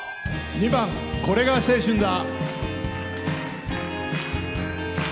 ２番「これが青春だ」。